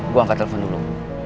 gue angkat telepon dulu